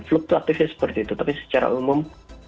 fluktuatifnya seperti itu tapi secara umum